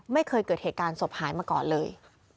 ไม่เคยเกิดเหตุการณ์ศพหายมาก่อนเลย